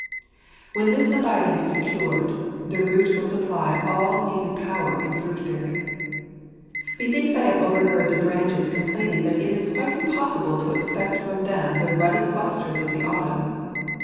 When this abiding is secured y the root will supply all needed power in fruit bearing. Methinks I have overheard the branches complaining that it is quite impossible to expect from them the ruddy clusters of the autumn.